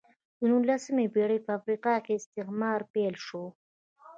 د نولسمې پېړۍ په افریقا کې استعمار پیل شو.